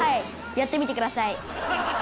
やってみてください」